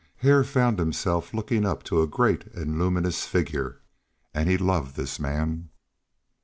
Hare found himself looking up to a great and luminous figure, and he loved this man.